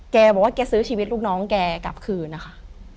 แกบอกว่าแกซื้อชีวิตลูกน้องแกกลับคืนนะคะ